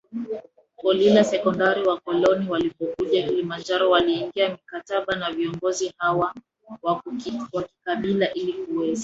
kolila sekondari Wakoloni walipokuja Kilimanjaro waliingia mikataba na viongozi hawa wa kikabila ili kuweza